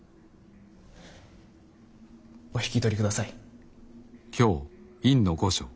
お引き取りください。